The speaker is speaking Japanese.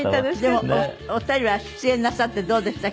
でもお二人は出演なさってどうでした？